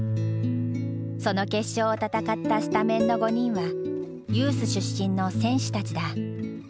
その決勝を戦ったスタメンの５人はユース出身の選手たちだ。